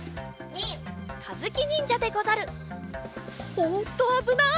おっとあぶない。